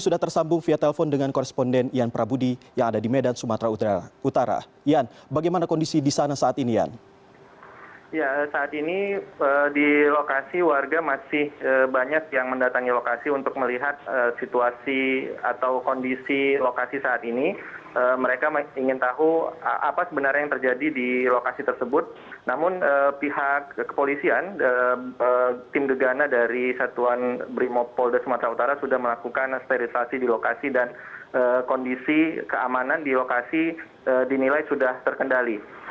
sudah melakukan sterilisasi di lokasi dan kondisi keamanan di lokasi dinilai sudah terkendali